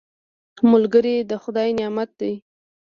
ملګری د خدای نعمت دی